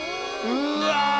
うわ！